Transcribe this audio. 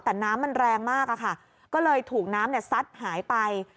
แต่น้ำมันแรงมากอะค่ะก็เลยถูกน้ำซัดหายไป